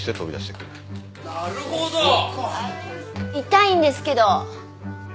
痛いんですけど。